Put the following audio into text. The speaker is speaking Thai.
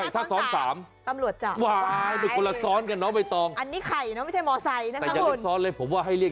แต่ไม่ใช่เลย